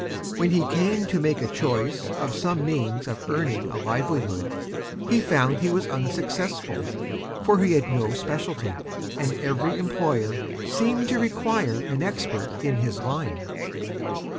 When he Came to Make a Choice of some means of Earning a Livelihood, he found he was Unsuccessful, for he had no Specialty, and Every Employer seemed to Require an Expert in his Line.